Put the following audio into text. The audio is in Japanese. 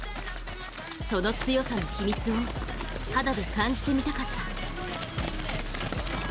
その強さの秘密を肌で感じてみたかった。